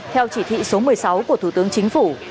theo chỉ thị số một mươi sáu của thủ tướng chính phủ